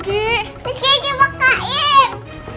miski di bukain